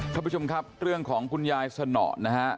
ท่านผู้ชมครับเรื่องของคุณยายสนอนะฮะ